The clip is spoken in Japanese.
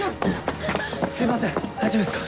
すいません大丈夫ですか？